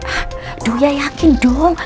ah duya yakin dong